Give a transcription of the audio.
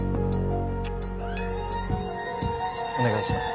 お願いします